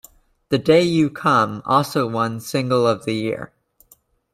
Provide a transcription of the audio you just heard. "The Day You Come" also won "Single of the Year".